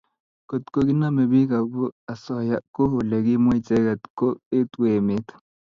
kotko kinamei piik akoba asoya kou ole kimwaa icheket ko etu emet